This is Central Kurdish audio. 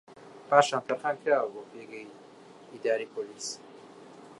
پاشان تەرخان کراوە بۆ پێگەی ئیداریی پۆلیس